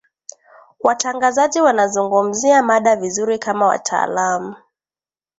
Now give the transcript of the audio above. watangazaji wanazungumzia mada vizuri kama wataalamu